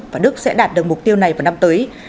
và đức sẽ đạt được mục tiêu này vào năm tới